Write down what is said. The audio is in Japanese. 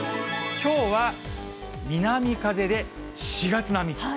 きょうは南風で４月並み。